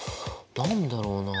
何だろうな？